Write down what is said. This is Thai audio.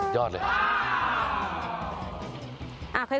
ยอดเลย